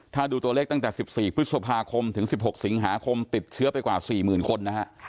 ถ้าดูตัวเลขตั้งแต่๑๔พฤษภาคมถึง๑๖สิงหาคมติดเชื้อไปกว่า๔๐๐๐คนนะฮะ